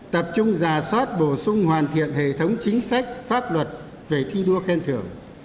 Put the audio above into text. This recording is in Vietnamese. tập trung giả soát bổ sung hoàn thiện hệ thống chính sách pháp luật về thi đua khen thưởng